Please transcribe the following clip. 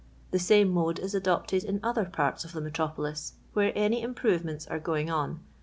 The same mode it adopted in other parts of the metropolis, where taa improvements are going on.